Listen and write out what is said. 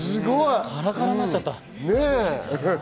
カラカラになっちゃった。